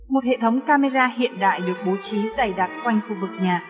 một hệ thống camera hiện đại được bố trí dày đặc quanh khu vực nhà